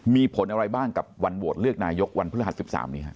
มีผลอะไรบ้างกับวันโหวตเลือกนายกวันพฤหัส๑๓นี้ครับ